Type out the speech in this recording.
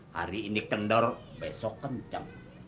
hari ini kendor besok kenceng